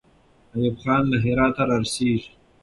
ایوب خان له هراته را رسېږي.